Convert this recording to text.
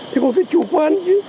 thì còn phải chủ quan chứ